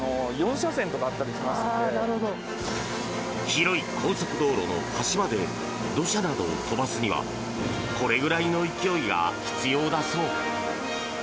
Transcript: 広い高速道路の端まで土砂などを飛ばすにはこれぐらいの勢いが必要だそう。